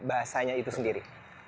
bahasanya itu sendiri